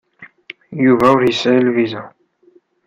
Yuba ur yesɛi lviza.